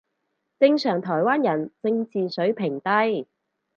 正常台灣人正字水平低